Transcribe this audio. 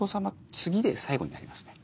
次で最後になりますね。